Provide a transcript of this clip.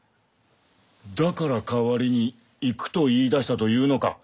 だから代わりに行くと言いだしたというのか！